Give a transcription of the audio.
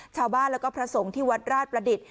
ชาวบ้านแล้วก็พระสงฆ์ที่วัดราชประดิษฐ์